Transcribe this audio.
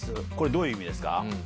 どういう意味ですか？